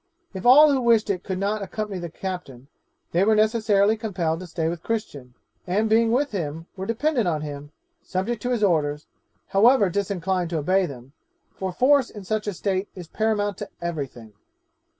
If all who wished it could not accompany the captain, they were necessarily compelled to stay with Christian; and being with him, were dependent on him, subject to his orders, however disinclined to obey them, for force in such a state is paramount to every thing.